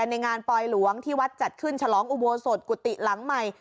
ในงานปลอยหลวงที่วัดจัดขึ้นฉลองอุโบสถกกุฏิหลังใหม่